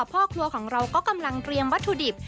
พ่อครัวของเราก็กำลังเตรียมวัตถุดิบ